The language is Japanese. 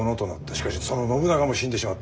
しかしその信長も死んでしまった。